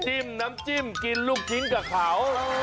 น้ำจิ้มกินลูกชิ้นกับเขา